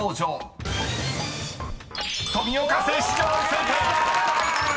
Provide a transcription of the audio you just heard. ［正解！］